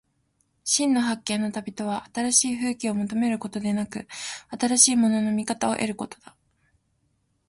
真の発見の旅とは、新しい風景を求めることでなく、新しいものの見方を得ることだ。